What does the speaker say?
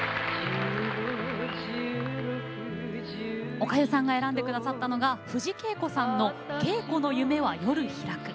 おかゆさんが選んでくださったのは藤圭子さんの「圭子の夢は夜ひらく」。